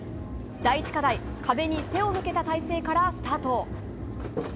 第１課題、壁に背を向けた体勢からスタート。